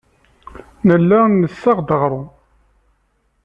Nella nessaɣ-d aɣrum.